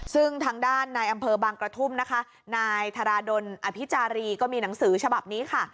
ซึ่งทางด้านนายอำเภอบางกระทุ่มนะคะนายธาราดลอภิจารีก็มีหนังสือฉบับนี้ค่ะ